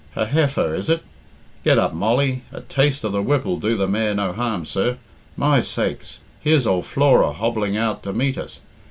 Her heifer, is it? Get up, Molly! A taste of the whip'll do the mare no harm, sir. My sakes, here's ould Flora hobbling out to meet us.